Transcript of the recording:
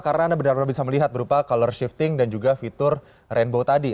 karena anda benar benar bisa melihat berupa color shifting dan juga fitur rainbow tadi